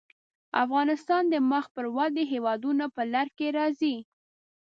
افغانستان د مخ پر ودې هېوادونو په لړ کې راځي.